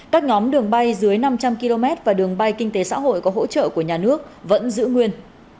các nhóm đường bay dưới năm trăm linh km và đường bay kinh tế xã hội có hỗ trợ của nhà nước vẫn giữ nguyên